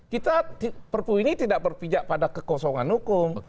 kita perpu ini tidak berpijak pada kekosongan hukum